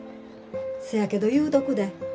せやけど言うとくで。